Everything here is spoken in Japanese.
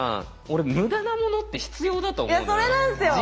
俺無駄なものって必要だと思うんだよ。